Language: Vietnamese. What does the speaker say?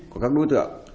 của các đối tượng